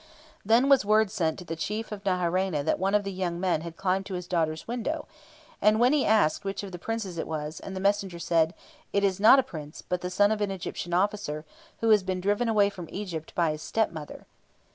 Then was word sent to the Chief of Naharaina that one of the young men had climbed to his daughter's window, and he asked which of the Princes it was, and the messenger said, "It is not a Prince, but the son of an Egyptian officer, who has been driven away from Egypt by his stepmother."